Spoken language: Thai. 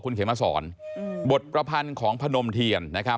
คุณเขียนมาสอนบทพระพรรณของพณมเทียน